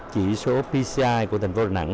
chỉ số pci của thành phố đà nẵng